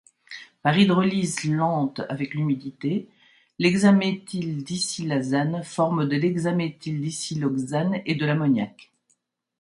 Par hydrolyse lente avec l'humidité, l'hexaméthyldisilazane forme de l'hexaméthyldisiloxane et de l'ammoniac.